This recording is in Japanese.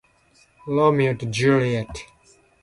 ロミオとジュリエット